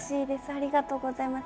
ありがとうございます。